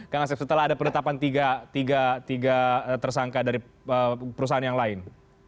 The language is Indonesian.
kang asep setelah ada penetapan tiga tersangka dari perusahaan yang lain